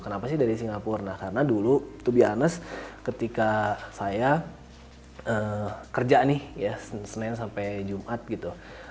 kenapa sih dari singapura nah karena dulu to be honest ketika saya kerja nih ya senin sampai jumat gitu